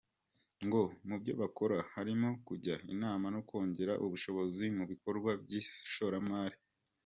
Ngo mu byo bakora harimo kujya inama no kongera ubushobozi mu bikorwa by’ishoramari.